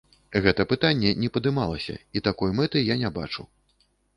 Гэта пытанне не падымалася і такой мэты я не бачу.